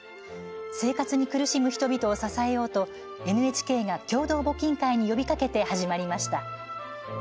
生活に苦しむ人々を支えようとＮＨＫが共同募金会に呼びかけて始まりました。